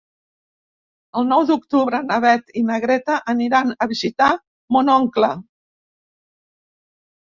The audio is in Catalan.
El nou d'octubre na Beth i na Greta aniran a visitar mon oncle.